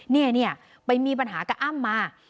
เนี่ยไปมีปัญหากับอ้ำมา